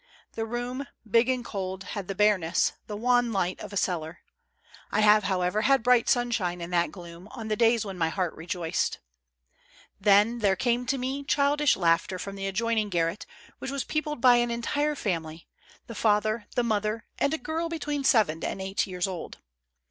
The room, big and cold, had the bareness, the wan light of a cellar. I have, however, had bright sunshine. in that gloom, on the days when my heart rejoiced. Then, there came to me childish laughter from the adjoining garret, which was peopled by an entire family, the father, the mother and a girl between seven and eight years old.